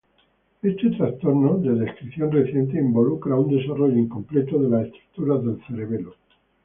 Este trastorno, de descripción reciente, involucra un desarrollo incompleto de las estructuras del cerebelo.